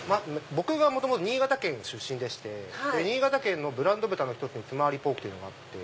僕が元々新潟県出身でして新潟県のブランド豚の１つに妻有ポークというのがあって。